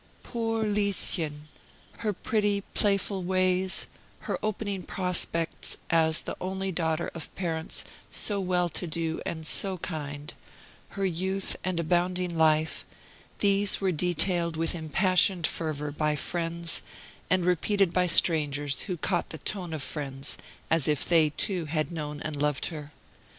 Poor Lieschen! her pretty, playful ways her opening prospects, as the only daughter of parents so well to do and so kind her youth and abounding life these were detailed with impassioned fervor by friends, and repeated by strangers who caught the tone of friends, as if they, too, had known and loved her.